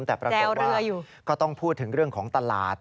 แต่ปรากฏว่าก็ต้องพูดถึงเรื่องของตลาด